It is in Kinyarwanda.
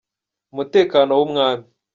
umutekano w’umwami.